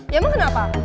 ya mau kenapa